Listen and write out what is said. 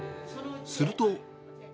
すると。